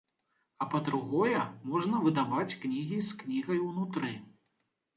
А па-другое, можна выдаваць кнігі з кнігай унутры.